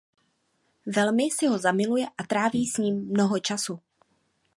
Velmi si ho zamiluje a tráví s ním mnoho času.